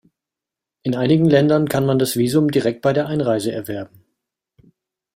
In einigen Ländern kann man das Visum direkt bei der Einreise erwerben.